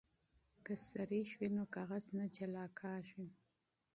که سريښ وي نو کاغذ نه جلا کیږي.